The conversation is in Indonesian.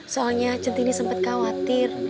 soalnya centini sempat khawatir